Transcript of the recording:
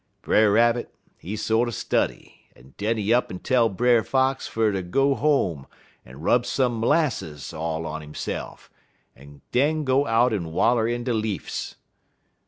"Brer Rabbit, he sorter study, en den he up 'n tell Brer Fox fer ter go home en rub some 'lasses all on hisse'f en den go out en waller in de leafs.